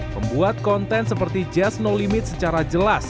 membuat konten seperti jazz no limit secara jelas